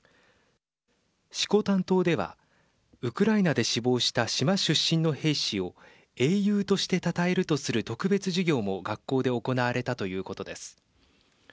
色丹島ではウクライナで死亡した島出身の兵士を英雄としてたたえるとする特別授業も学校で行われたということです。